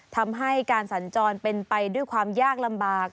ทำให้การสัญจรเป็นไปด้วยความยากลำบาก